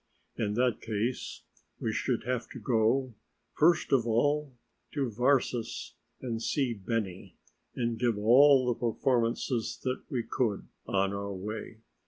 In that case we should have to go, first of all, to Varses and see Benny and give all the performances that we could on our way.